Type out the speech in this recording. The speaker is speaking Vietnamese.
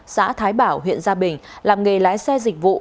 xã thái bảo huyện gia bình làm nghề lái xe dịch vụ